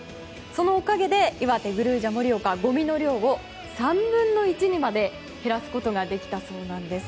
そのおかげでいわてグルージャ盛岡はごみの量を３分の１日まで減らすことができたそうです。